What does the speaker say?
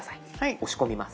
押し込みます。